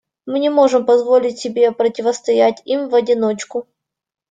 Мы не можем позволить себе противостоять им в одиночку.